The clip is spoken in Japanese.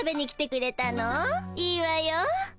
いいわよ。